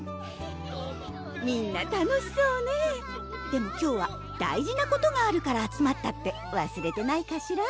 みんな楽しそうねでも今日は大事なことがあるから集まったってわすれてないかしら？